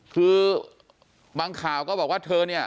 คือบางข่าวก็บอกว่าเธอเนี่ย